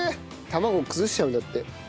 卵崩しちゃうんだって。